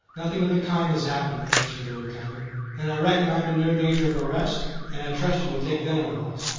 "Nothing of the kind has happened," answered the Lieutenant. "Then I reckon I am in no danger of arrest, and I trust you will take dinner with us.